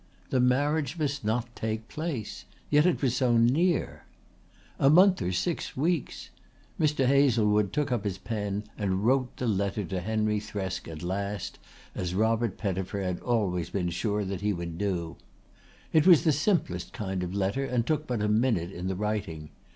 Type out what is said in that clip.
The marriage must not take place yet it was so near. A month or six weeks! Mr. Hazlewood took up his pen and wrote the letter to Henry Thresk at last, as Robert Pettifer had always been sure that he would do. It was the simplest kind of letter and took but a minute in the writing.